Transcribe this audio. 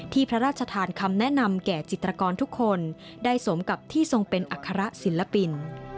พระราชทานคำแนะนำแก่จิตรกรทุกคนได้สมกับที่ทรงเป็นอัคระศิลปิน